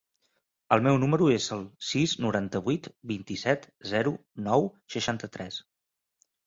El meu número es el sis, noranta-vuit, vint-i-set, zero, nou, seixanta-tres.